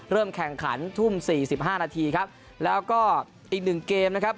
เริ่มแข่งขันท่วม๑๐๔๕นครับแล้วก็อีก๑เกมนะครับ